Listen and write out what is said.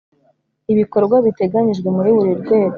ibikorwa biteganyijwe muri buri rwego.